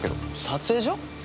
撮影所？